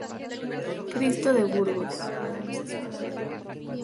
Cristo de Burgos.